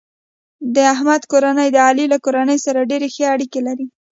د احمد کورنۍ د علي له کورنۍ سره ډېرې ښې اړیکې لري.